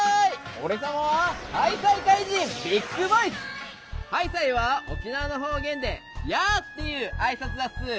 おれさまは「ハイサイ」はおきなわのほうげんで「やあ」っていうあいさつだっす。